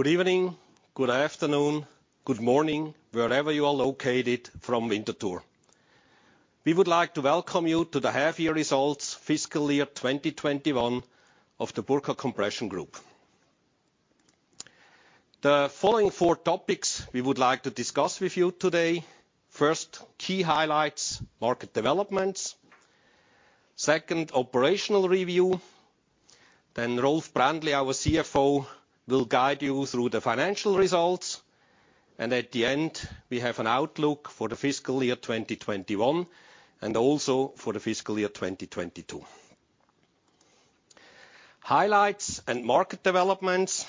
Good evening, good afternoon, good morning, wherever you are located, from Winterthur. We would like to welcome you to the Half-Year Results Fiscal year 2021 of the Burckhardt Compression Group. The following four topics we would like to discuss with you today. First, key highlights, market developments. Second, operational review. Rolf Brändli, our CFO, will guide you through the financial results. At the end, we have an outlook for the fiscal year 2021, and also for the fiscal year 2022. Highlights and market developments.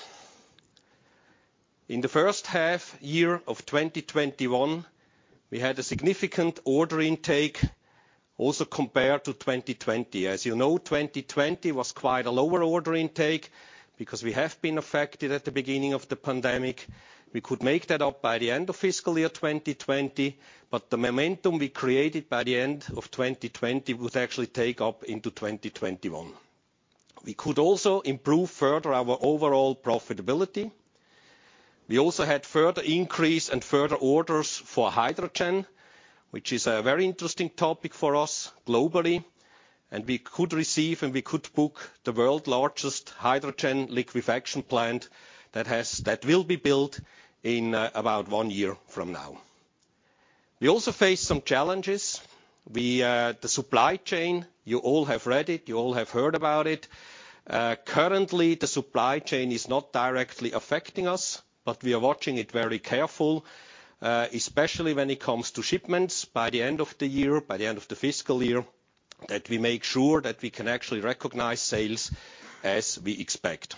In the first half year of 2021, we had a significant order intake also compared to 2020. As you know, 2020 was quite a low order intake, because we have been affected at the beginning of the pandemic. We could make that up by the end of fiscal year 2020, but the momentum we created by the end of 2020 would actually take us into 2021. We could also improve further our overall profitability. We also had further increase and further orders for hydrogen, which is a very interesting topic for us globally. We could receive and book the world's largest hydrogen liquefaction plant that will be built in about one year from now. We also face some challenges. The supply chain, you all have read it, you all have heard about it. Currently, the supply chain is not directly affecting us, but we are watching it very carefully, especially when it comes to shipments by the end of the year, by the end of the fiscal year, that we make sure that we can actually recognize sales as we expect.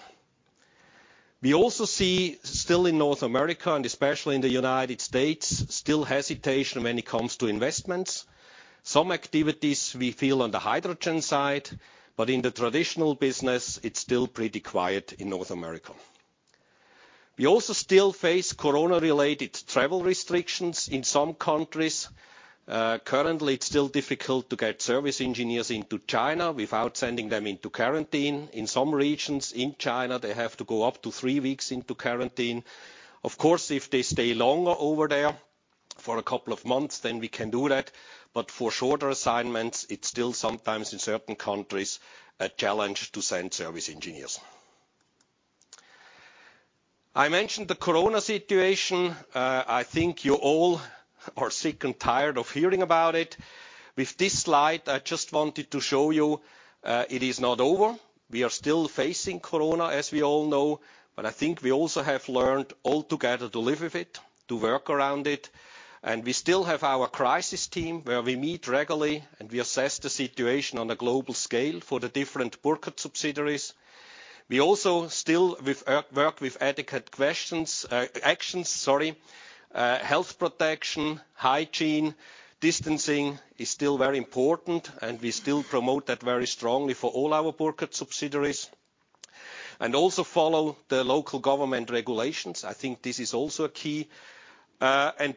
We also still see in North America, and especially in the United States, still hesitation when it comes to investments. We feel some activities on the hydrogen side, but in the traditional business, it's still pretty quiet in North America. We also still face corona-related travel restrictions in some countries. Currently, it's still difficult to get service engineers into China without sending them into quarantine. In some regions in China, they have to go up to three weeks into quarantine. Of course, if they stay longer over there, for a couple of months, then we can do that. For shorter assignments, it's still sometimes in certain countries, a challenge to send service engineers. I mentioned the corona situation. I think you all are sick and tired of hearing about it. With this slide, I just wanted to show you, it is not over. We are still facing corona, as we all know. I think we also have learned all together to live with it, to work around it. We still have our crisis team where we meet regularly, and we assess the situation on a global scale for the different Burckhardt subsidiaries. We also still work with adequate actions. Health protection, hygiene, distancing is still very important, and we still promote that very strongly for all our Burckhardt subsidiaries. Also follow the local government regulations. I think this is also a key.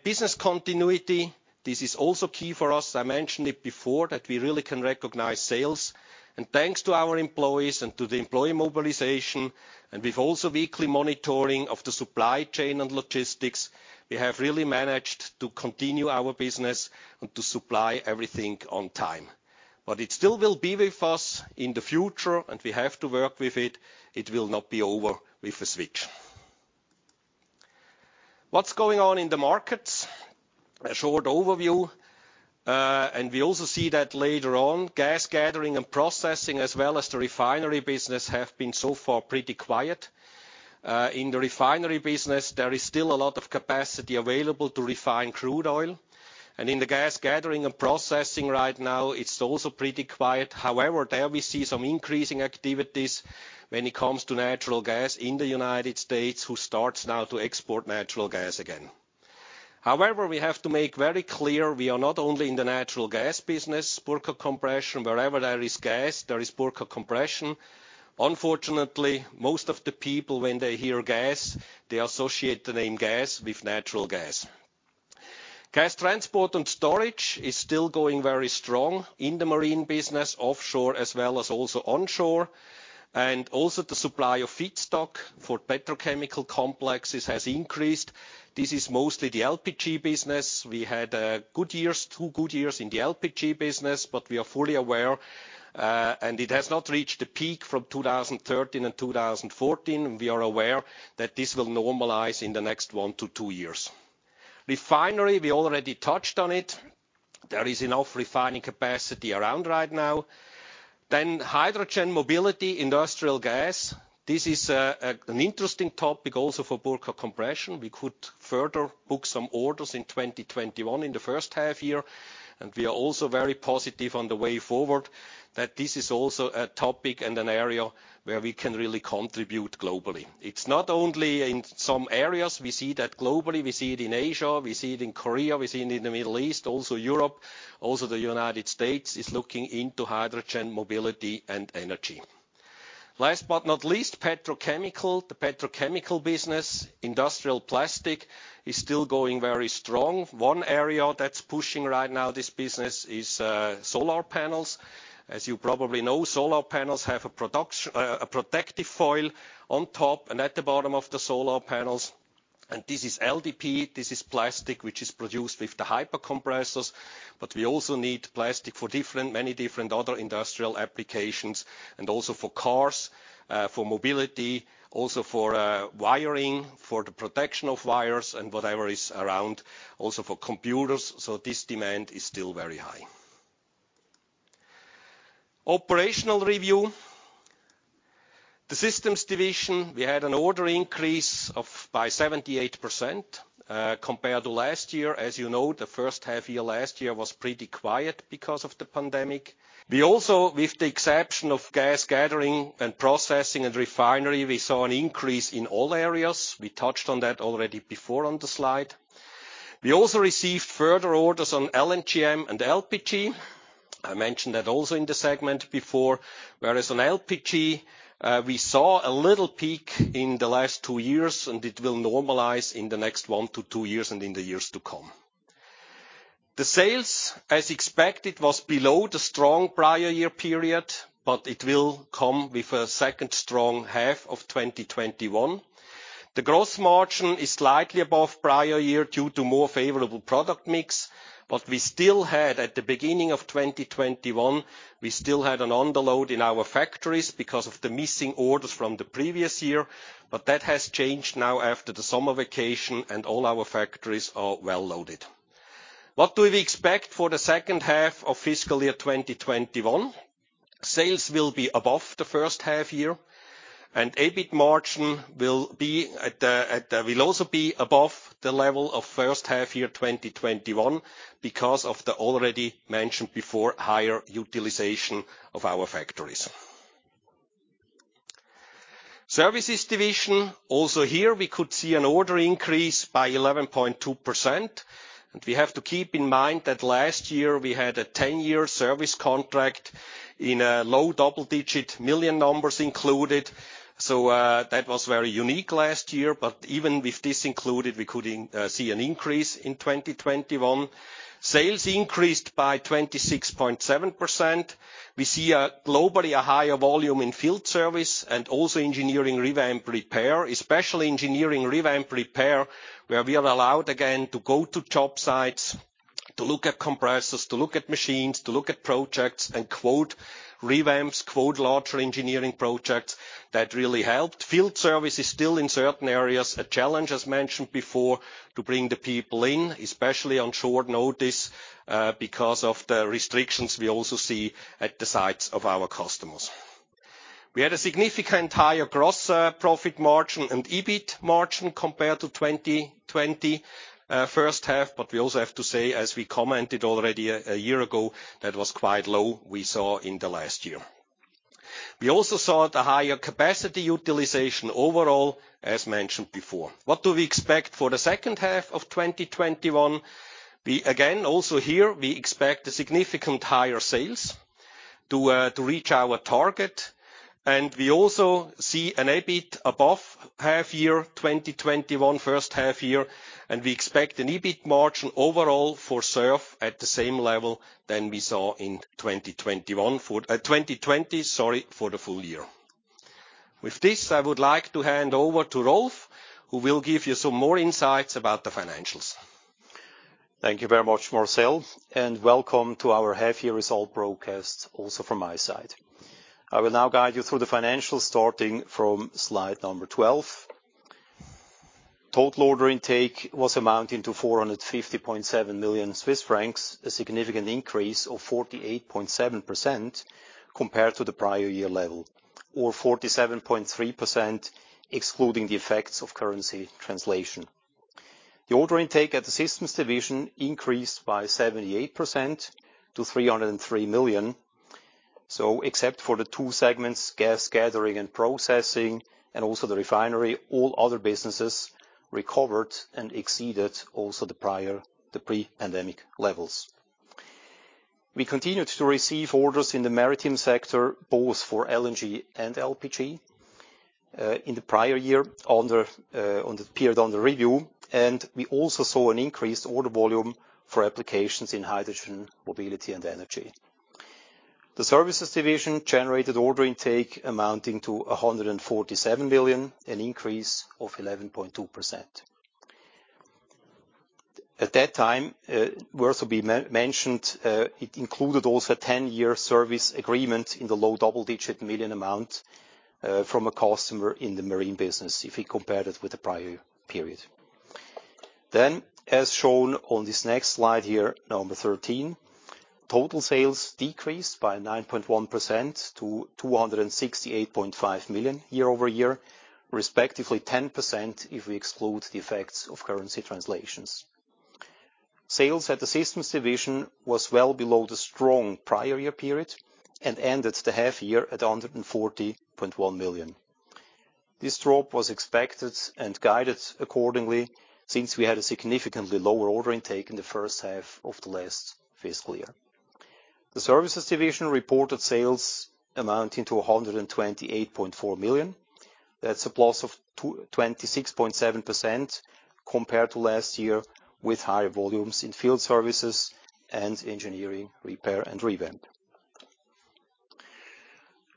Business continuity, this is also key for us. I mentioned it before that we really can recognize sales. Thanks to our employees and to the employee mobilization, and with also weekly monitoring of the supply chain and logistics, we have really managed to continue our business and to supply everything on time. It still will be with us in the future, and we have to work with it. It will not be over with a switch. What's going on in the markets? A short overview, and we also see that later on, gas gathering and processing, as well as the refinery business have been so far pretty quiet. In the refinery business, there is still a lot of capacity available to refine crude oil. In the gas gathering and processing right now, it's also pretty quiet. However, there we see some increasing activities when it comes to natural gas in the United States, who starts now to export natural gas again. However, we have to make very clear we are not only in the natural gas business. Burckhardt Compression, wherever there is gas, there is Burckhardt Compression. Unfortunately, most of the people when they hear gas, they associate the name gas with natural gas. Gas transport and storage is still going very strong in the marine business, offshore as well as also onshore. The supply of feedstock for petrochemical complexes has increased. This is mostly the LPG business. We had good years, two good years in the LPG business, but we are fully aware, and it has not reached the peak from 2013 and 2014. We are aware that this will normalize in the next one to two years. Refinery, we already touched on it. There is enough refining capacity around right now. Hydrogen mobility, industrial gas. This is an interesting topic also for Burckhardt Compression. We could further book some orders in 2021 in the first half year, and we are also very positive on the way forward that this is also a topic and an area where we can really contribute globally. It's not only in some areas. We see that globally. We see it in Asia, we see it in Korea, we see it in the Middle East, also Europe. Also the United States is looking into hydrogen mobility and energy. Last but not least, petrochemical. The petrochemical business. Industrial plastic is still going very strong. One area that's pushing right now this business is solar panels. As you probably know, solar panels have a protective foil on top and at the bottom of the solar panels, and this is LDPE, this is plastic which is produced with the hyper compressors. We also need plastic for different, many different other industrial applications, and also for cars, for mobility, also for wiring, for the protection of wires and whatever is around, also for computers. This demand is still very high. Operational review. The Systems Division, we had an order increase of 78%, compared to last year. As you know, the first half year last year was pretty quiet because of the pandemic. We also, with the exception of gas gathering and processing and refinery, we saw an increase in all areas. We touched on that already before on the slide. We also received further orders on LNGM and LPG. I mentioned that also in the segment before, whereas on LPG, we saw a little peak in the last two years, and it will normalize in the next one to two years and in the years to come. The sales, as expected, was below the strong prior year period, but it will come with a second strong half of 2021. The gross margin is slightly above prior year due to more favorable product mix. We still had, at the beginning of 2021, an underload in our factories because of the missing orders from the previous year. That has changed now after the summer vacation, and all our factories are well loaded. What do we expect for the second half of fiscal year 2021? Sales will be above the first half-year, and EBIT margin will also be above the level of first half-year 2021 because of the already mentioned before higher utilization of our factories. Services Division, also here we could see an order increase by 11.2%. We have to keep in mind that last year we had a ten-year service contract in a low double-digit million numbers included. That was very unique last year. But even with this included, we could see an increase in 2021. Sales increased by 26.7%. We see globally a higher volume in field service and also engineering revamp repair, especially engineering revamp repair, where we are allowed again to go to job sites, to look at compressors, to look at machines, to look at projects and quote revamps, quote larger engineering projects that really helped. Field service is still in certain areas, a challenge as mentioned before, to bring the people in, especially on short notice, because of the restrictions we also see at the sites of our customers. We had a significant higher gross profit margin and EBIT margin compared to 2020 first half. We also have to say, as we commented already a year ago, that was quite low, we saw in the last year. We also saw the higher capacity utilization overall, as mentioned before. What do we expect for the second half of 2021? We again, also here, we expect significantly higher sales to reach our target. We also see an EBIT above first half year 2021, and we expect an EBIT margin overall for the year at the same level than we saw in 2021 for 2020, sorry, for the full year. With this, I would like to hand over to Rolf, who will give you some more insights about the financials. Thank you very much, Marcel, and welcome to our half year result broadcast also from my side. I will now guide you through the financials starting from slide 12. Total order intake was amounting to 450.7 million Swiss francs, a significant increase of 48.7% compared to the prior year level, or 47.3% excluding the effects of currency translation. The order intake at the Systems Division increased by 78% to 303 million. Except for the two segments, gas gathering and processing, and also the refinery, all other businesses recovered and exceeded the pre-pandemic levels. We continued to receive orders in the maritime sector, both for LNG and LPG, in the prior year on the period under review. We also saw an increased order volume for applications in hydrogen, mobility and energy. The Services Division generated order intake amounting to 147 million, an increase of 11.2%. At that time, worth to be mentioned, it included also a ten-year service agreement in the low double-digit million amount, from a customer in the marine business, if we compare it with the prior period. As shown on this next slide here, number 13, total sales decreased by 9.1% to 268.5 million year-over-year, respectively 10% if we exclude the effects of currency translations. Sales at the Systems Division was well below the strong prior year period and ended the half year at 140.1 million. This drop was expected and guided accordingly since we had a significantly lower order intake in the first half of the last fiscal year. The Services Division reported sales amounting to 128.4 million. That's a +26.7% compared to last year, with higher volumes in field services and engineering, repair, and revamp.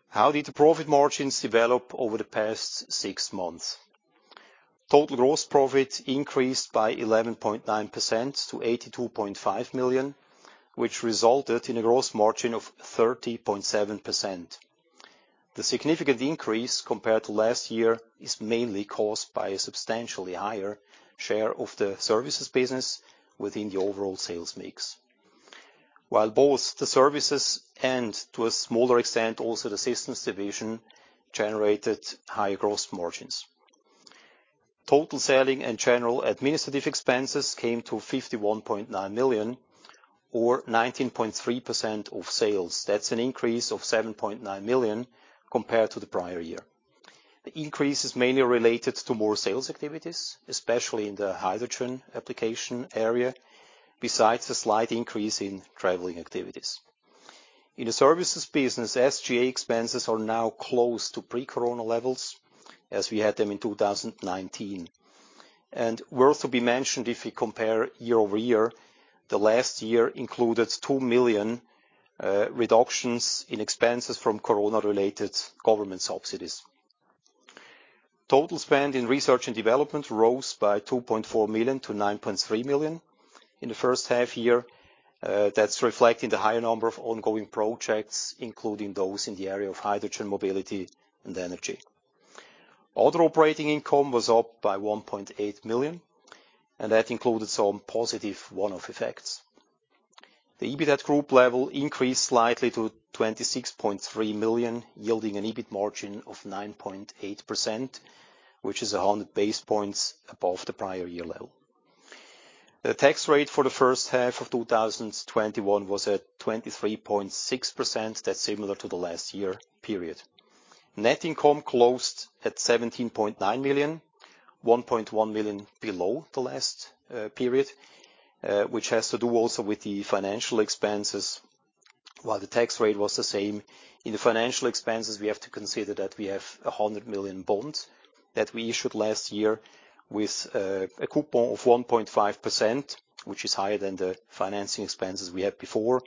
How did the profit margins develop over the past six months? Total gross profit increased by 11.9% to 82.5 million, which resulted in a gross margin of 30.7%. The significant increase compared to last year is mainly caused by a substantially higher share of the Services business within the overall sales mix. While both the Services and, to a smaller extent, also the Systems Division generated higher gross margins. Total selling and general administrative expenses came to 51.9 million or 19.3% of sales. That's an increase of 7.9 million compared to the prior year. The increase is mainly related to more sales activities, especially in the hydrogen application area, besides a slight increase in traveling activities. In the Services business, SG&A expenses are now close to pre-corona levels as we had them in 2019. Worth to be mentioned, if we compare year-over-year, the last year included 2 million reductions in expenses from corona-related government subsidies. Total spend in research and development rose by 2.4 million to 9.3 million in the first half year. That's reflecting the higher number of ongoing projects, including those in the area of hydrogen mobility and energy. Other operating income was up by 1.8 million, and that included some positive one-off effects. The EBIT at group level increased slightly to 26.3 million, yielding an EBIT margin of 9.8%, which is 100 basis points above the prior year level. The tax rate for the first half of 2021 was at 23.6%. That's similar to the last year period. Net income closed at 17.9 million, 1.1 million below the last period, which has to do also with the financial expenses. While the tax rate was the same, in the financial expenses, we have to consider that we have 100 million bonds that we issued last year with a coupon of 1.5%, which is higher than the financing expenses we had before.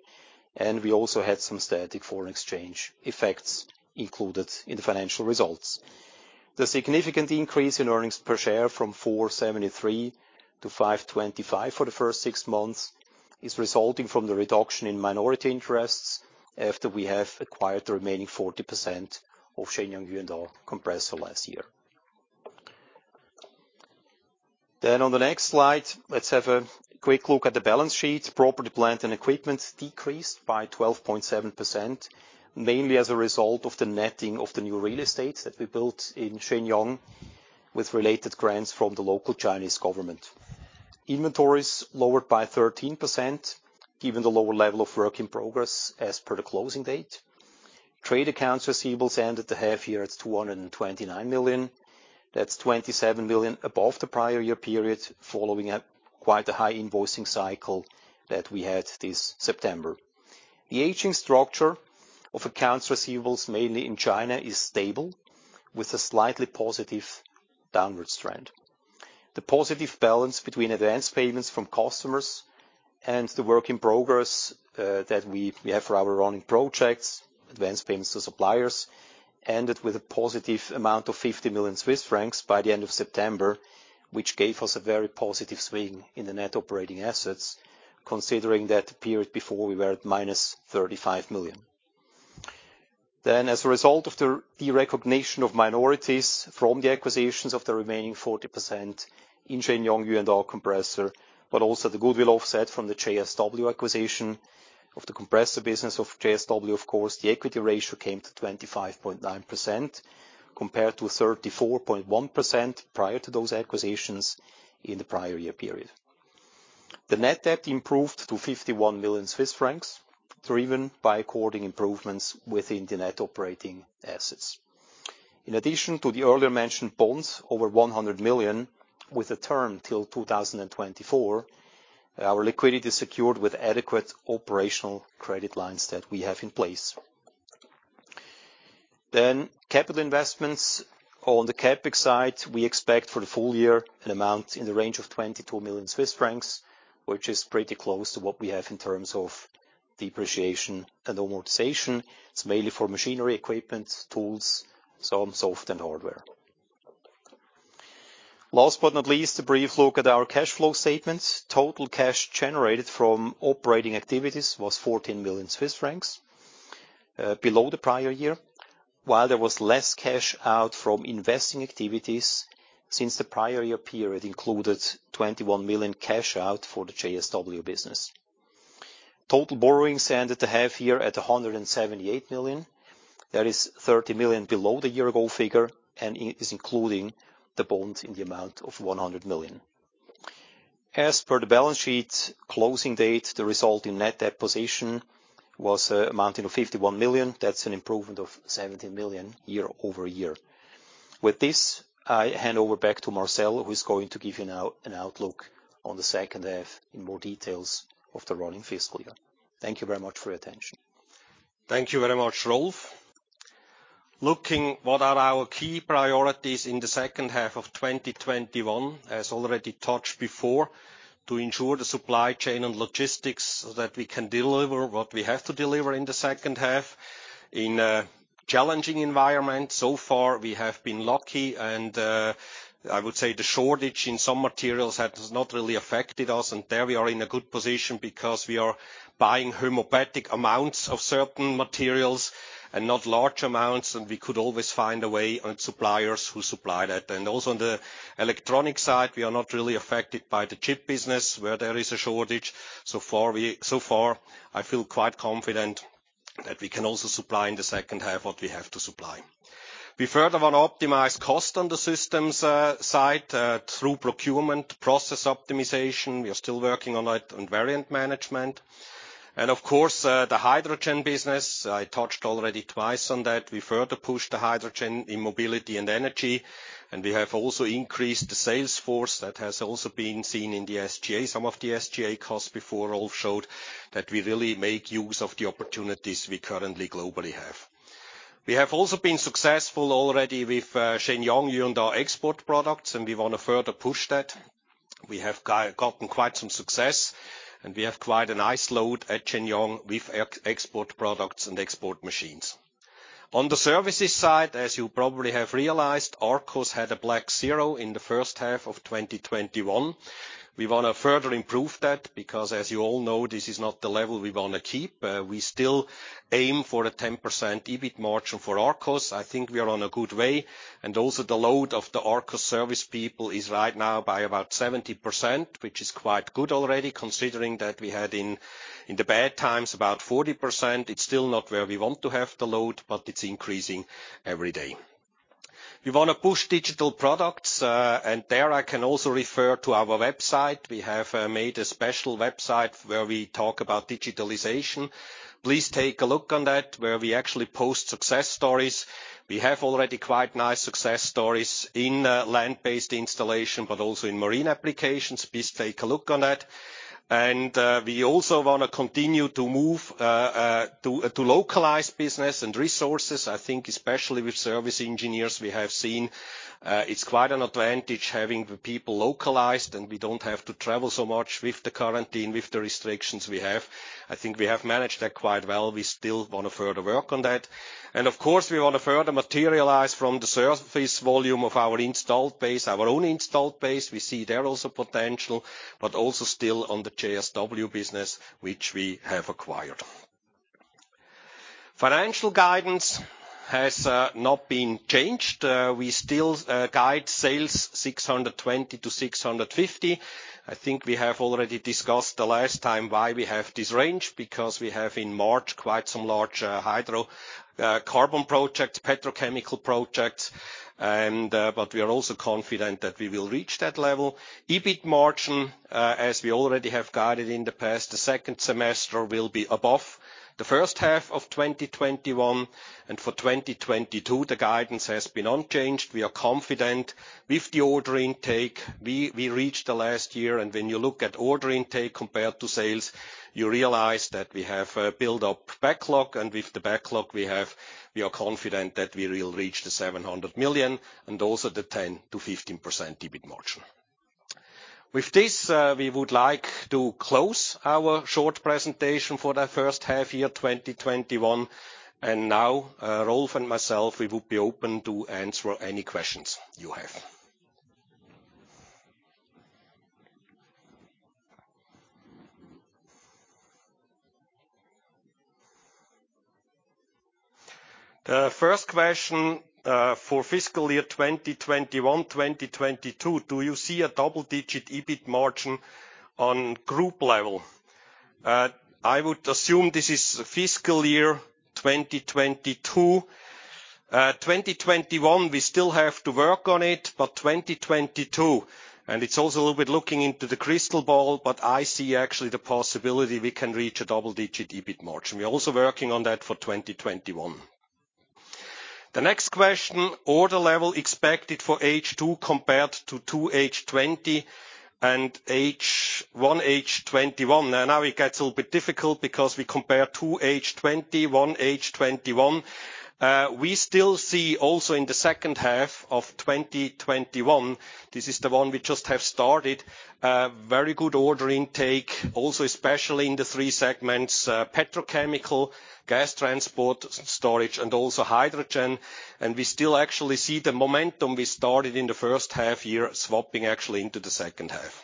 We also had some static foreign exchange effects included in the financial results. The significant increase in earnings per share from 473 to 525 for the first six months is resulting from the reduction in minority interests after we have acquired the remaining 40% of Shenyang Yuanda Compressor last year. On the next slide, let's have a quick look at the balance sheet. Property, plant, and equipment decreased by 12.7%, mainly as a result of the netting of the new real estate that we built in Shenyang with related grants from the local Chinese government. Inventories lowered by 13%, given the lower level of work in progress as per the closing date. Trade accounts receivables ended the half year at 229 million. That's 27 million above the prior year period, following quite a high invoicing cycle that we had this September. The aging structure of accounts receivables, mainly in China, is stable with a slightly positive downward trend. The positive balance between advanced payments from customers and the work in progress that we have for our running projects, advanced payments to suppliers, ended with a positive amount of 50 million Swiss francs by the end of September, which gave us a very positive swing in the net operating assets, considering that the period before we were at -35 million. As a result of the recognition of minorities from the acquisitions of the remaining 40% in Shenyang Yuanda Compressor, but also the goodwill offset from the JSW acquisition of the compressor business of JSW, of course, the equity ratio came to 25.9%, compared to 34.1% prior to those acquisitions in the prior year period. The net debt improved to 51 million Swiss francs, driven by according improvements within the net operating assets. In addition to the earlier mentioned bonds, over 100 million, with a term till 2024, our liquidity is secured with adequate operational credit lines that we have in place. Capital investments. On the CapEx side, we expect for the full year an amount in the range of 22 million Swiss francs, which is pretty close to what we have in terms of depreciation and amortization. It's mainly for machinery, equipment, tools, some software and hardware. Last but not least, a brief look at our cash flow statement. Total cash generated from operating activities was 14 million Swiss francs, below the prior year, while there was less cash out from investing activities since the prior year period included 21 million cash out for the JSW business. Total borrowings ended the half year at 178 million. That is 30 million below the year-ago figure, and it is including the bond in the amount of 100 million. As per the balance sheet closing date, the resulting net debt position was amounting to 51 million. That's an improvement of 17 million year-over-year. With this, I hand over back to Marcel, who is going to give you now an outlook on the second half in more details of the running fiscal year. Thank you very much for your attention. Thank you very much, Rolf. Looking at what our key priorities are in the second half of 2021, as already touched before, to ensure the supply chain and logistics so that we can deliver what we have to deliver in the second half. In a challenging environment, so far we have been lucky and I would say the shortage in some materials has not really affected us. There we are in a good position because we are buying homeopathic amounts of certain materials and not large amounts, and we could always find a way and suppliers who supply that. Also on the electronic side, we are not really affected by the chip business where there is a shortage. So far, I feel quite confident that we can also supply in the second half what we have to supply. We further want to optimize cost on the Systems side through procurement process optimization. We are still working on it on variant management. Of course, the hydrogen business, I touched already twice on that. We further push the hydrogen in mobility and energy, and we have also increased the sales force. That has also been seen in the SG&A. Some of the SG&A costs before Rolf showed that we really make use of the opportunities we currently globally have. We have also been successful already with Shenyang Yuanda export products, and we wanna further push that. We have gotten quite some success, and we have quite a nice load at Shenyang with export products and export machines. On the Services side, as you probably have realized, Arkos had a black zero in the first half of 2021. We wanna further improve that because as you all know, this is not the level we wanna keep. We still aim for a 10% EBIT margin for Arkos. I think we are on a good way, and also the load of the Arkos service people is right now by about 70%, which is quite good already, considering that we had in the bad times about 40%. It's still not where we want to have the load, but it's increasing every day. We wanna push digital products, and there I can also refer to our website. We have made a special website where we talk about digitalization. Please take a look on that, where we actually post success stories. We have already quite nice success stories in land-based installation, but also in marine applications. Please take a look on it. We also wanna continue to move to localize business and resources. I think especially with service engineers, we have seen it's quite an advantage having the people localized, and we don't have to travel so much with the quarantine, with the restrictions we have. I think we have managed that quite well. We still wanna further work on that. Of course, we wanna further materialize from the service volume of our installed base, our own installed base. We see there also potential, but also still on the JSW business which we have acquired. Financial guidance has not been changed. We still guide sales 620 million-650 million. I think we have already discussed the last time why we have this range, because we have in March quite some large hydrocarbon projects, petrochemical projects. We are also confident that we will reach that level. EBIT margin, as we already have guided in the past, the second half will be above the first half of 2021. For 2022, the guidance has been unchanged. We are confident with the order intake we reached last year. When you look at order intake compared to sales, you realize that we have built up backlog. With the backlog we have, we are confident that we will reach 700 million and also the 10%-15% EBIT margin. With this, we would like to close our short presentation for the first half year, 2021. Now, Rolf and myself, we would be open to answer any questions you have. The first question for fiscal year 2021, 2022, do you see a double-digit EBIT margin on group level? I would assume this is fiscal year 2022. 2021, we still have to work on it, but 2022, and it's also a little bit looking into the crystal ball, but I see actually the possibility we can reach a double-digit EBIT margin. We're also working on that for 2021. The next question, order level expected for H2 compared to 2H 2020 and 1H 2021. Now it gets a little bit difficult because we compare 2H 2020, 1H 2021. We still see also in the second half of 2021, this is the one we just have started, very good order intake, also especially in the three segments, petrochemical, gas transport storage, and also hydrogen. We still actually see the momentum we started in the first half year swapping actually into the second half.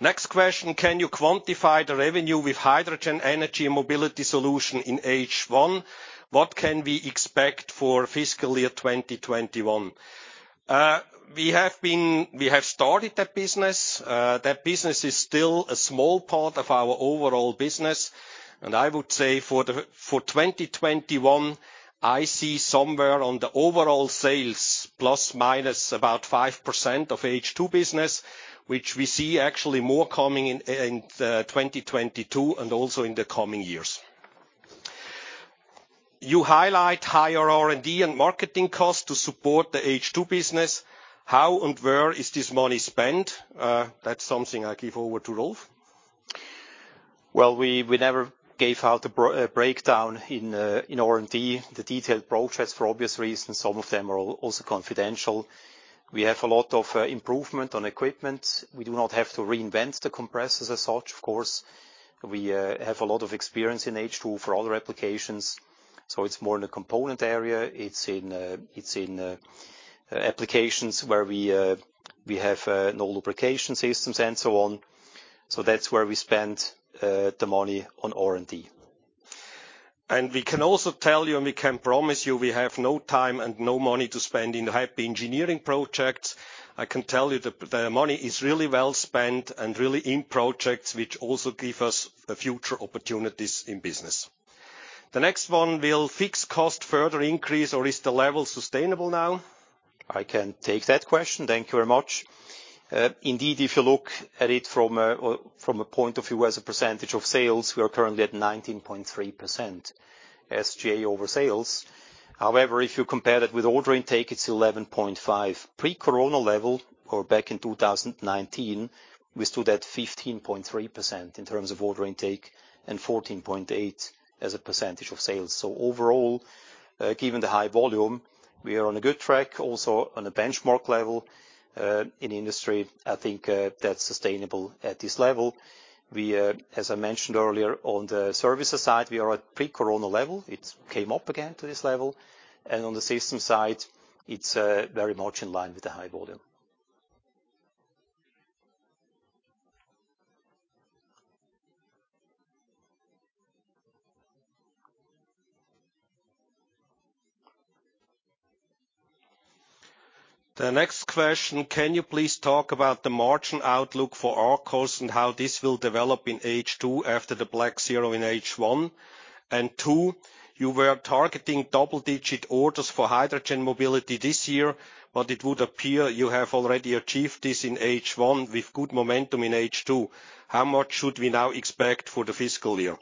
Next question, can you quantify the revenue with hydrogen energy mobility solution in H2? What can we expect for fiscal year 2021? We have started that business. That business is still a small part of our overall business. I would say for 2021, I see somewhere on the overall sales plus minus about 5% of H2 business, which we see actually more coming in in 2022 and also in the coming years. You highlight higher R&D and marketing costs to support the H2 business. How and where is this money spent? That's something I give over to Rolf. Well, we never gave out a breakdown in R&D, the detailed process for obvious reasons. Some of them are also confidential. We have a lot of improvement on equipment. We do not have to reinvent the compressors as such, of course. We have a lot of experience in H2 for other applications, so it's more in the component area. It's in applications where we have no lubrication systems and so on. That's where we spend the money on R&D. We can also tell you, and we can promise you, we have no time and no money to spend in hype engineering projects. I can tell you the money is really well spent and really in projects which also give us future opportunities in business. The next one. Will fixed cost further increase, or is the level sustainable now? I can take that question. Thank you very much. Indeed, if you look at it from a, well, from a point of view as a percentage of sales, we are currently at 19.3% SG&A over sales. However, if you compare that with order intake, it's 11.5%. Pre-corona level, or back in 2019, we stood at 15.3% in terms of order intake, and 14.8% as a percentage of sales. Overall, given the high volume, we are on a good track, also on a benchmark level, in the industry. I think, that's sustainable at this level. We, as I mentioned earlier, on the service side, we are at pre-corona level. It came up again to this level. On the system side, it's very much in line with the high volume. The next question: Can you please talk about the margin outlook for Arkos and how this will develop in H2 after the black zero in H1? Two, you were targeting double-digit orders for hydrogen mobility this year, but it would appear you have already achieved this in H1 with good momentum in H2. How much should we now expect for the fiscal year?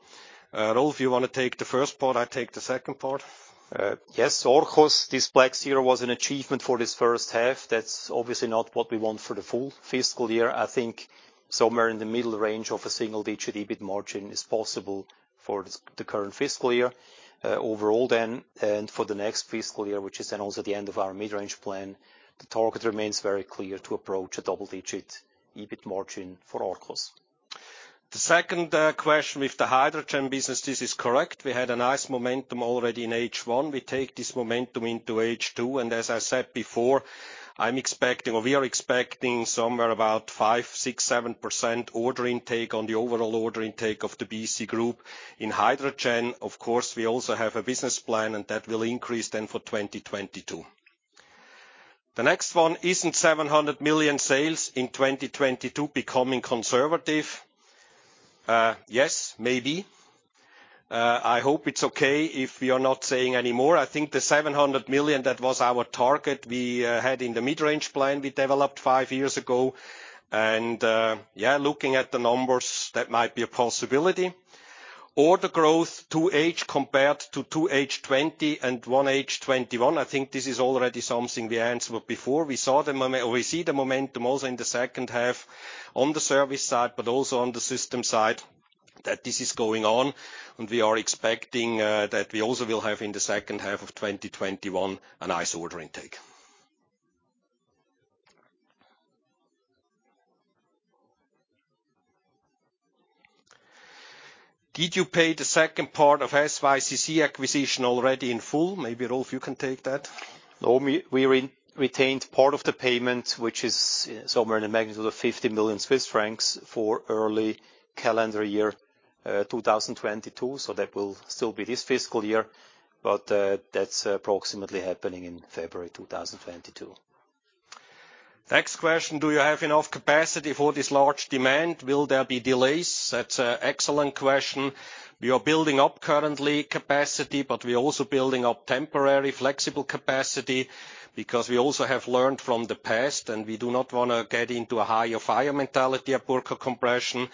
Rolf, you wanna take the first part, I'll take the second part? Yes. Arkos, this black zero was an achievement for this first half. That's obviously not what we want for the full fiscal year. I think somewhere in the middle range of a single-digit EBIT margin is possible for the current fiscal year. Overall then, and for the next fiscal year, which is then also the end of our mid-range plan, the target remains very clear to approach a double-digit EBIT margin for Arkos. The second question with the hydrogen business, this is correct. We had a nice momentum already in H1. We take this momentum into H2, and as I said before, I'm expecting, or we are expecting somewhere about 5%, 6%, 7% order intake on the overall order intake of the BC group. In hydrogen, of course, we also have a business plan and that will increase then for 2022. The next one. Isn't 700 million sales in 2022 becoming conservative? Yes, maybe. I hope it's okay if we are not saying any more. I think the 700 million, that was our target we had in the mid-range plan we developed five years ago. Yeah, looking at the numbers, that might be a possibility. Order growth in 2H compared to 2H 2020 and 1H 2021, I think this is already something we answered before. We see the momentum also in the second half on the service side, but also on the system side, that this is going on, and we are expecting that we also will have in the second half of 2021 a nice order intake. Did you pay the second part of SYCC acquisition already in full? Maybe, Rolf, you can take that. No, we retained part of the payment, which is somewhere in the magnitude of 50 million Swiss francs, for early calendar year 2022, so that will still be this fiscal year. That's approximately happening in February 2022. Next question: Do you have enough capacity for this large demand? Will there be delays? That's a excellent question. We are building up currently capacity, but we're also building up temporary flexible capacity, because we also have learned from the past, and we do not wanna get into a hire fire mentality at Burckhardt Compression.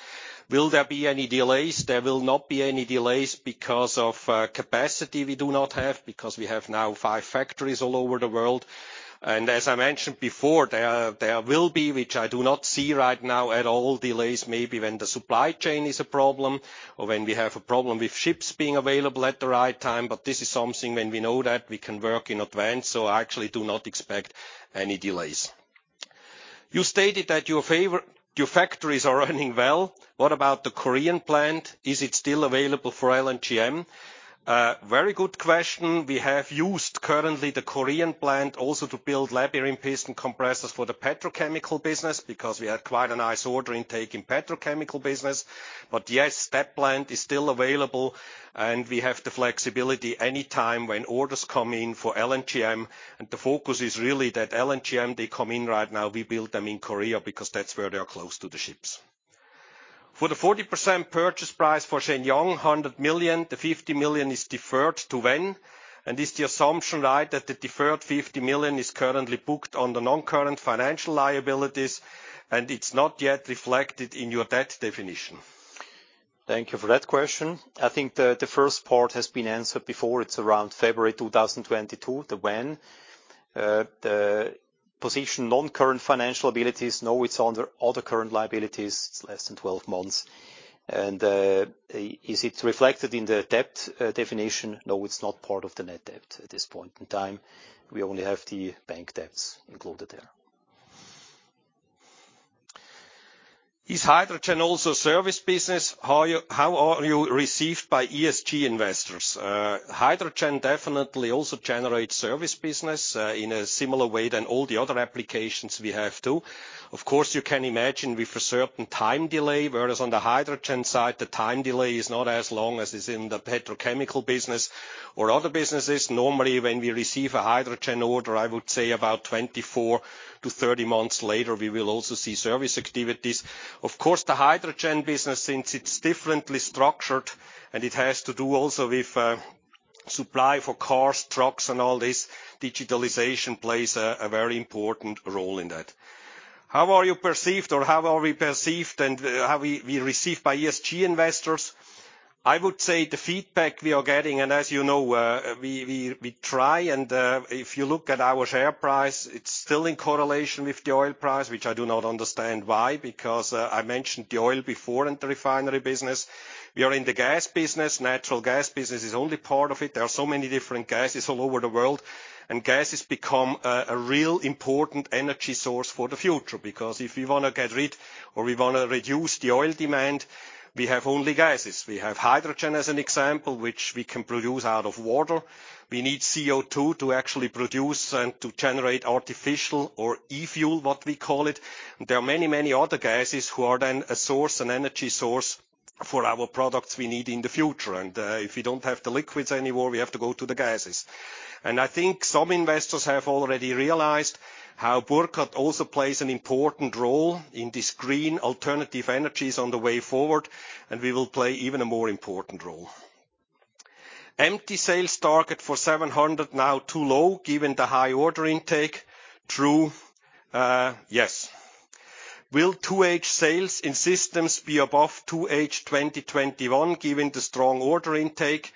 Will there be any delays? There will not be any delays because of capacity we do not have, because we have now five factories all over the world. As I mentioned before, there will be, which I do not see right now at all, delays maybe when the supply chain is a problem or when we have a problem with ships being available at the right time, but this is something when we know that we can work in advance. I actually do not expect any delays. You stated that your factories are running well. What about the Korean plant? Is it still available for LNGM? Very good question. We have used currently the Korean plant also to build Labyrinth Piston Compressors for the petrochemical business, because we had quite a nice order intake in petrochemical business. Yes, that plant is still available, and we have the flexibility anytime when orders come in for LNGM, and the focus is really that LNGM, they come in right now, we build them in Korea because that's where they are close to the ships. For the 40% purchase price for Shenyang, 100 million, the 50 million is deferred to when? And is the assumption right that the deferred 50 million is currently booked under non-current financial liabilities and it's not yet reflected in your debt definition? Thank you for that question. I think the first part has been answered before. It's around February 2022, the when. It's under other current liabilities, less than 12 months. Is it reflected in the debt definition? No, it's not part of the net debt at this point in time. We only have the bank debts included there. Is hydrogen also service business? How are you received by ESG investors? Hydrogen definitely also generates service business in a similar way than all the other applications we have, too. Of course, you can imagine with a certain time delay, whereas on the hydrogen side, the time delay is not as long as is in the petrochemical business or other businesses. Normally, when we receive a hydrogen order, I would say about 24 to 30 months later, we will also see service activities. Of course, the hydrogen business, since it's differently structured and it has to do also with supply for cars, trucks, and all this, digitalization plays a very important role in that. How are you perceived, or how are we perceived and how we received by ESG investors? I would say the feedback we are getting, and as you know, we try and, if you look at our share price, it's still in correlation with the oil price, which I do not understand why, because I mentioned the oil before in the refinery business. We are in the gas business. Natural gas business is only part of it. There are so many different gases all over the world. Gas has become a real important energy source for the future. Because if we wanna get rid or we wanna reduce the oil demand, we have only gases. We have hydrogen as an example, which we can produce out of water. We need CO2 to actually produce and to generate artificial or e-fuel, what we call it. There are many, many other gases who are then a source, an energy source for our products we need in the future. If you don't have the liquids anymore, we have to go to the gases. I think some investors have already realized how Burckhardt also plays an important role in this green alternative energies on the way forward, and we will play even a more important role. The sales target for 700 million now too low given the high order intake. True. Yes. Will 2H sales in Systems be above 2H 2021, given the strong order intake?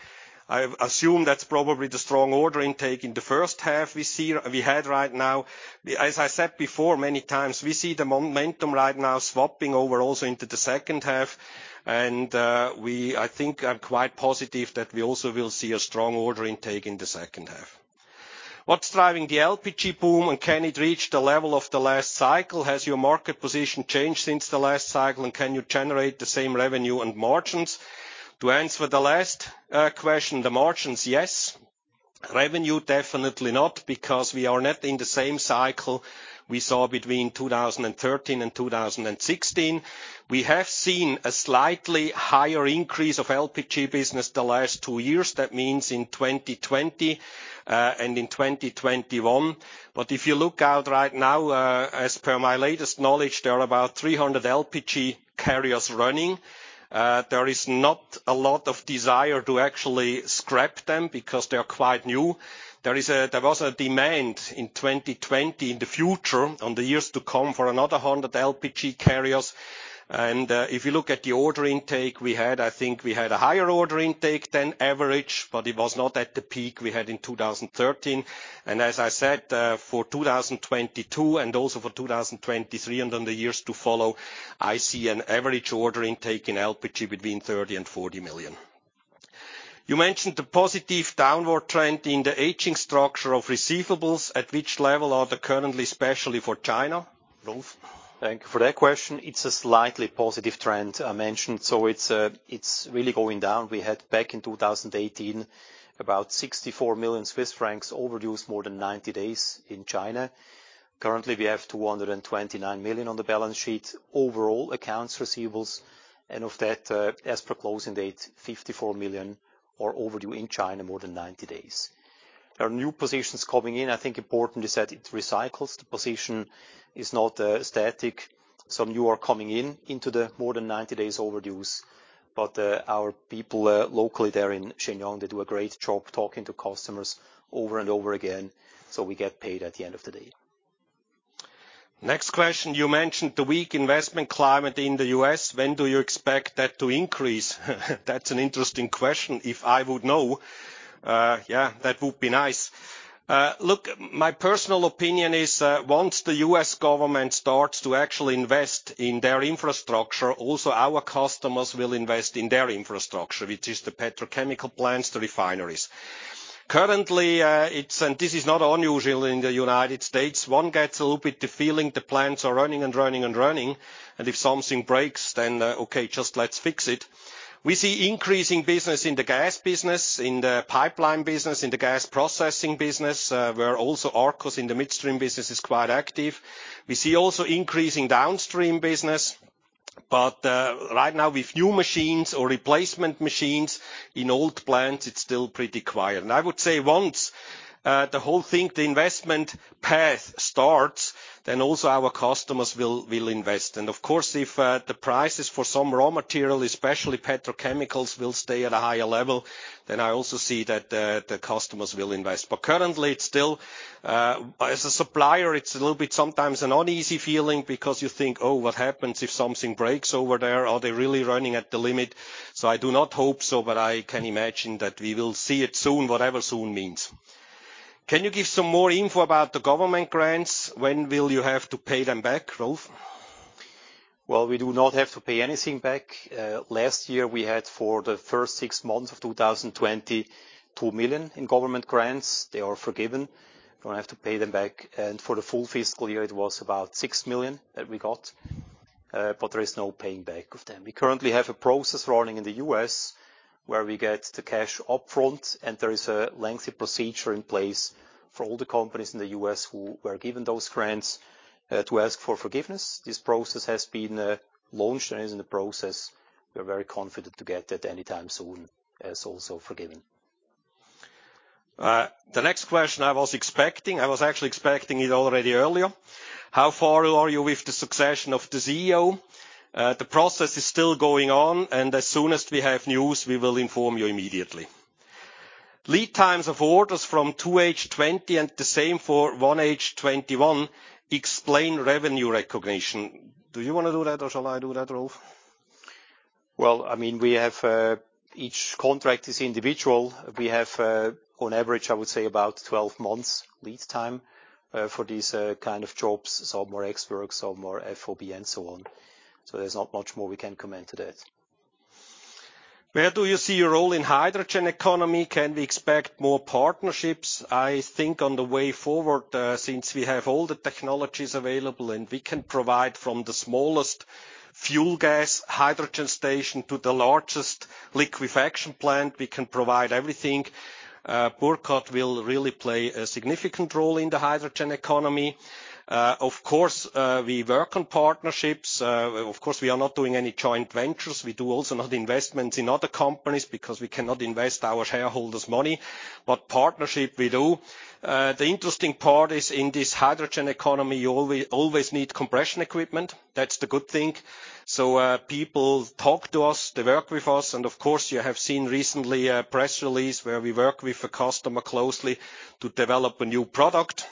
I assume that's probably the strong order intake in the first half we had right now. As I said before many times, we see the momentum right now swapping over also into the second half, and, I think I'm quite positive that we also will see a strong order intake in the second half. What's driving the LPG boom, and can it reach the level of the last cycle? Has your market position changed since the last cycle, and can you generate the same revenue and margins? To answer the last, question, the margins, yes. Revenue, definitely not, because we are not in the same cycle we saw between 2013 and 2016. We have seen a slightly higher increase of LPG business the last two years. That means in 2020, and in 2021. If you look out right now, as per my latest knowledge, there are about 300 LPG carriers running. There is not a lot of desire to actually scrap them because they are quite new. There was a demand in 2020 in the future on the years to come for another 100 LPG carriers. If you look at the order intake we had, I think we had a higher order intake than average, but it was not at the peak we had in 2013. As I said, for 2022 and also for 2023 and in the years to follow, I see an average order intake in LPG between 30 million and 40 million. You mentioned the positive downward trend in the aging structure of receivables. At which level are they currently, especially for China? Rolf? Thank you for that question. It's a slightly positive trend I mentioned, so it's really going down. We had back in 2018, about 64 million Swiss francs overdue more than 90 days in China. Currently, we have 229 million on the balance sheet, overall accounts receivables. Of that, as per closing date, 54 million are overdue in China more than 90 days. There are new positions coming in. I think important is that it recycles. The position is not static. Some new are coming in into the more than 90 days overdue. Our people locally there in Shenyang, they do a great job talking to customers over and over again, so we get paid at the end of the day. Next question. You mentioned the weak investment climate in the U.S. When do you expect that to increase? That's an interesting question. If I would know, yeah, that would be nice. Look, my personal opinion is, once the U.S. government starts to actually invest in their infrastructure, also our customers will invest in their infrastructure, which is the petrochemical plants, the refineries. Currently, it's, and this is not unusual in the United States. One gets a little bit the feeling the plants are running and running and running, and if something breaks, then, okay, just let's fix it. We see increasing business in the gas business, in the pipeline business, in the gas processing business, where also Arkos in the midstream business is quite active. We see also increasing downstream business. Right now with new machines or replacement machines in old plants, it's still pretty quiet. I would say once the whole thing, the investment path starts, then also our customers will invest. Of course, if the prices for some raw material, especially petrochemicals, will stay at a higher level, then I also see that the customers will invest. Currently, it's still as a supplier, it's a little bit sometimes an uneasy feeling because you think, "Oh, what happens if something breaks over there? Are they really running at the limit?" I do not hope so, but I can imagine that we will see it soon, whatever soon means. Can you give some more info about the government grants? When will you have to pay them back, Rolf? Well, we do not have to pay anything back. Last year, we had for the first six months of 2020, $2 million in government grants. They are forgiven. We don't have to pay them back. For the full fiscal year, it was about $6 million that we got, but there is no paying back of them. We currently have a process running in the U.S. where we get the cash up front, and there is a lengthy procedure in place for all the companies in the U.S. who were given those grants to ask for forgiveness. This process has been launched and is in the process. We are very confident to get that any time soon, as also forgiven. The next question I was expecting. I was actually expecting it already earlier. How far are you with the succession of the CEO? The process is still going on, and as soon as we have news, we will inform you immediately. Lead times of orders from 2H 2020 and the same for 1H 2021, explain revenue recognition. Do you wanna do that or shall I do that, Rolf? Well, I mean, we have. Each contract is individual. We have, on average, I would say about 12 months lead time, for these, kind of jobs. Some more ex-works, some more FOB and so on. There's not much more we can comment on that. Where do you see your role in hydrogen economy? Can we expect more partnerships? I think on the way forward, since we have all the technologies available and we can provide from the smallest fuel gas hydrogen station to the largest liquefaction plant, we can provide everything. Burckhardt will really play a significant role in the hydrogen economy. Of course, we work on partnerships. Of course, we are not doing any joint ventures. We do also not investments in other companies because we cannot invest our shareholders' money. Partnership, we do. The interesting part is in this hydrogen economy, you always need compression equipment. That's the good thing. People talk to us, they work with us. Of course, you have seen recently a press release where we work with a customer closely to develop a new product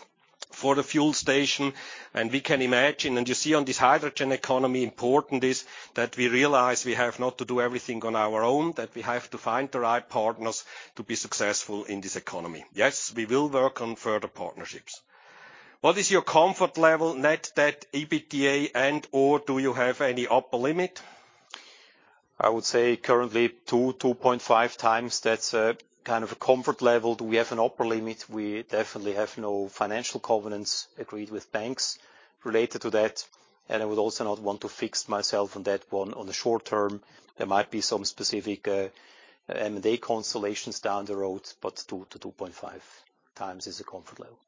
for the fuel station. We can imagine, and you see on this hydrogen economy, important is that we realize we have not to do everything on our own, that we have to find the right partners to be successful in this economy. Yes, we will work on further partnerships. What is your comfort level net debt, EBITDA, and/or do you have any upper limit? I would say currently 2x-2.5x. That's a kind of a comfort level. Do we have an upper limit? We definitely have no financial covenants agreed with banks related to that. I would also not want to fix myself on that one on the short term. There might be some specific, M&A constellations down the road, but 2x-2.5x is the comfort level.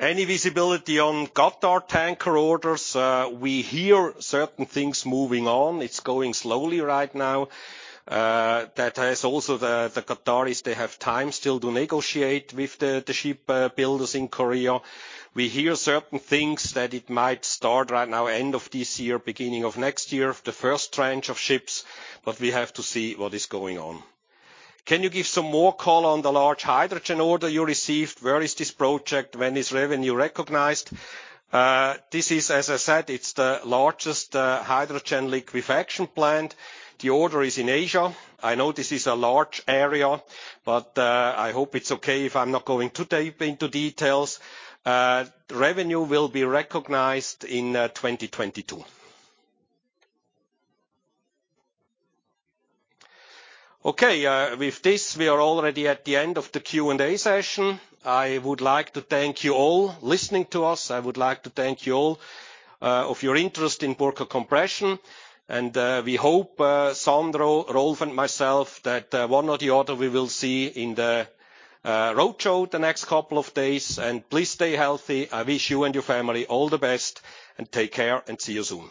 Any visibility on Qatar tanker orders? We hear certain things moving on. It's going slowly right now. That has also the Qataris, they have time still to negotiate with the ship builders in Korea. We hear certain things that it might start right now, end of this year, beginning of next year, the first tranche of ships, but we have to see what is going on. Can you give some more color on the large hydrogen order you received? Where is this project? When is revenue recognized? This is, as I said, it's the largest hydrogen liquefaction plant. The order is in Asia. I know this is a large area, but I hope it's okay if I'm not going too deep into details. Revenue will be recognized in 2022. Okay, with this, we are already at the end of the Q&A session. I would like to thank you all for listening to us. I would like to thank you all for your interest in Burckhardt Compression. We hope Sandro, Rolf, and myself that one or the other we will see in the roadshow the next couple of days. Please stay healthy. I wish you and your family all the best, and take care and see you soon.